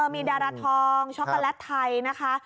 มีดาราทองช็อกโกแลตไทยนะคะ